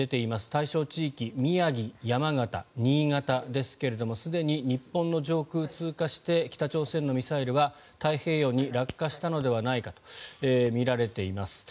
対象地域宮城、山形、新潟ですがすでに日本の上空、通過して北朝鮮のミサイルは太平洋に落下したのではないかとみられています。